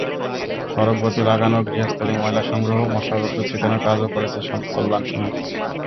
সড়কবাতি লাগানো, গৃহস্থালি ময়লা সংগ্রহ, মশার ওষুধ ছিটানোর কাজও করছে কল্যাণ সমিতি।